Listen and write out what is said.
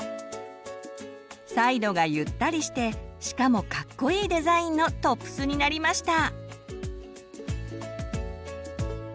サイドがゆったりしてしかもカッコいいデザインのトップスになりました！